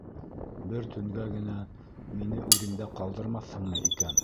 Бер төнгә генә мине үҙеңдә ҡалдырмаҫһыңмы икән?